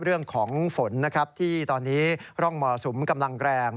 เรื่องของฝนนะครับที่ตอนนี้ร่องมรสุมกำลังแรง